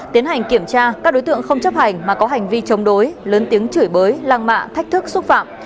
tiến hành kiểm tra các đối tượng không chấp hành mà có hành vi chống đối lớn tiếng chửi bới lăng mạ thách thức xúc phạm